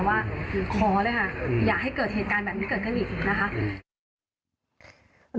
ว่าขอเลยค่ะอย่าให้เกิดเหตุการณ์แบบนี้เกิดขึ้นอีกนะคะ